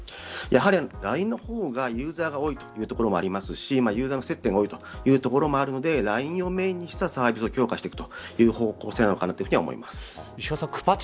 ＬＩＮＥの方がユーザーが多いというところがありますしユーザーの接点が多いというところがあるのでＬＩＮＥをメーンにしたサービスを強化していくという石川さん